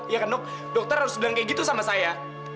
iya kan dokter harus bilang kayak gitu sama saya